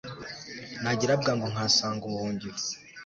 nagira bwangu, nkahasanga ubuhungiro